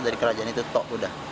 dari kerajaan itu tok udah